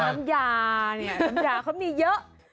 น้ำยาเนี่ยน้ำยาเขามีเยอะ